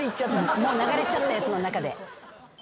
もう流れちゃったやつの中で。